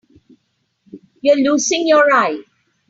You're losing your eye.